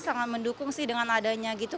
sangat mendukung sih dengan adanya gitu